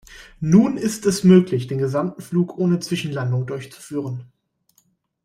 Nun ist es möglich, den gesamten Flug ohne Zwischenlandungen durchzuführen.